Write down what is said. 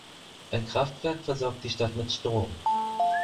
Ein Kraftwerk versorgt die Stadt mit Strom.